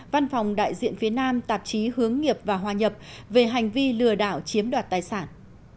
văn phòng đại diện phía nam tạp chí hướng nghiệp và hòa nhập về hành vi lừa đảo chiếm đoạt tài sản